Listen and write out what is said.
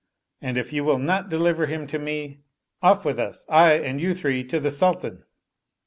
and if you will not deliver him to me, off with us, I and you three, to the Sultan."